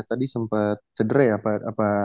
tadi sempet cedera ya apa